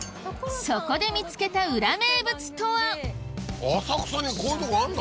そこで見つけた裏名物とは？